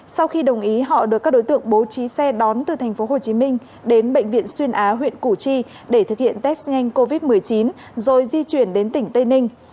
sau khi đồng ý họ được các đối tượng bố trí xe đón từ tp hcm đến bệnh viện xuyên á huyện củ chi để thực hiện test nhanh covid một mươi chín rồi di chuyển đến tỉnh tây ninh